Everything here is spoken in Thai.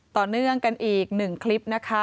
ต่อเนื่องกันอีกหนึ่งคลิปนะคะ